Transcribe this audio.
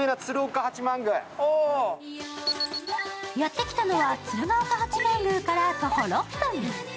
やってきたのは鶴岡八幡宮から徒歩６分。